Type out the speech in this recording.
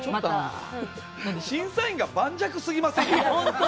審査員が盤石すぎませんか？